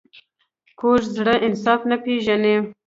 کوږ زړه انصاف نه پېژني